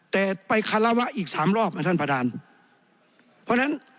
แต่ไปคาราวะอีกสามรอบนะท่านประธานเพราะฉะนั้น